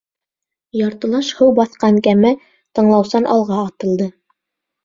Яртылаш һыу баҫҡан кәмә тыңлаусан алға атылды.